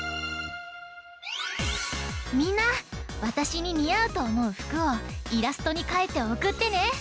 みんなわたしににあうとおもうふくをイラストにかいておくってね！